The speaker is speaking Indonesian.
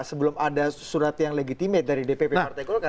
sebelum ada surat yang legitimate dari dpp partai golkar